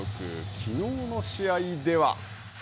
きのうの試合では。